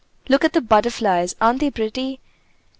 "Look at the butterflies! Aren't they pretty?"